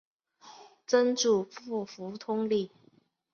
曾祖父胡通礼。